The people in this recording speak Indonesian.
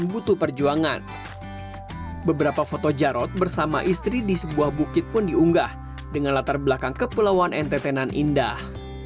beberapa foto jarod bersama istri di sebuah bukit pun diunggah dengan latar belakang kepulauan nttenan indah